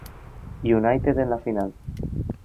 United en la final.